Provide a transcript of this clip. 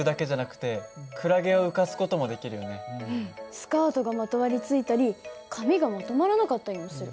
スカートがまとわりついたり髪がまとまらなかったりもする。